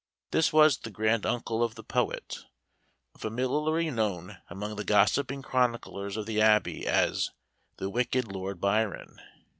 This was the grand uncle of the poet, familiarly known among the gossiping chroniclers of the Abbey as "the Wicked Lord Byron."